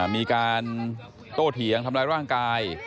มีการโตเถียงทำร้ายร่างกาย